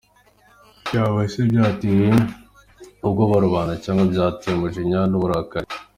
Byaba se byateye ubwoba rubanda cyangwa byabateye umujinya n’uburakari?